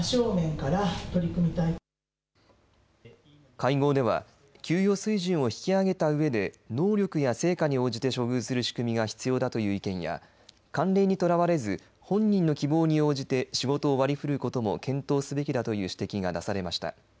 会合では給与水準を引き上げたうえで能力や成果に応じて処遇する仕組みが必要だという意見や慣例にとらわれず本人の希望に応じて仕事を割り振ることも検討すべきだという指摘が出されました。